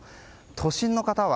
都心の方は。